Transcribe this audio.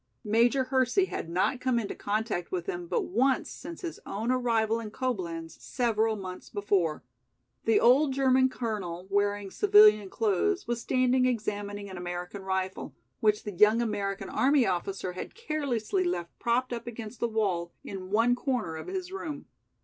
Major Hersey had not come into contact with him but once since his own arrival in Coblenz several months before. The old German Colonel, wearing civilian clothes, was standing examining an American rifle, which the young American army officer had carelessly left propped up against the wall in one corner of his room.